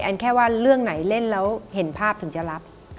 แค่ว่าเรื่องไหนเล่นแล้วเห็นภาพถึงจะรับ